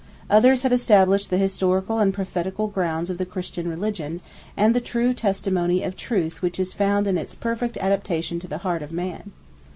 Others had established the historical and prophetical grounds of the Christian Religion, and that true testimony of Truth which is found in its perfect adaptation to the heart of man.